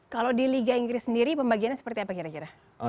kalau di liga inggris sendiri pembagiannya seperti apa kira kira